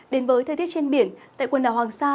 đến với thời tiết trên biển tại quần đảo hoàng sa